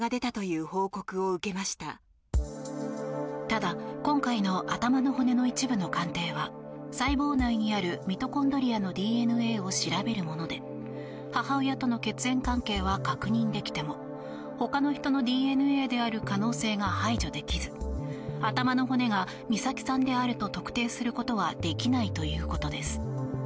ただ、今回の頭の骨の一部の鑑定は細胞内にあるミトコンドリアのＤＮＡを調べるもので母親との血縁関係は確認できても他の人のＤＮＡである可能性が排除できず頭の骨が美咲さんであると特定することはできないということです。